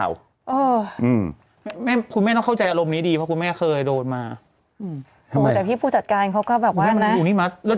ตัวมากพี่เข้าเป็นคนคุมสติอยู่กว่าพี่